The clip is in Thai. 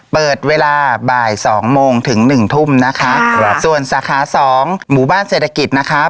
เปิดเวลาบ่ายสองโมงถึงหนึ่งทุ่มนะคะครับส่วนสาขาสองหมู่บ้านเศรษฐกิจนะครับ